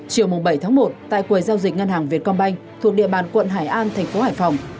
chiều bảy một tại quầy giao dịch ngân hàng vietcombank thuộc địa bàn quận hải an thành phố hải phòng